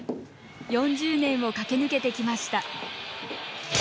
４０年を駆け抜けてきました。